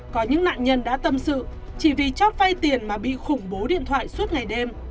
có những nạn nhân đã tâm sự chỉ vì chót vay tiền mà bị khủng bố điện thoại suốt ngày đêm